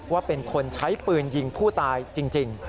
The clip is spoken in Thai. ว่าเป็นคนใช้ปืนยิงผู้ตายจริง